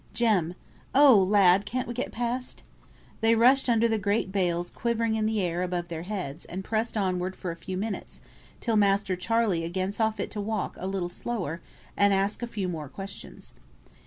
"Jem; oh, lad! can't we get past?" They rushed under the great bales quivering in the air above their heads and pressed onwards for a few minutes, till Master Charley again saw fit to walk a little slower, and ask a few more questions.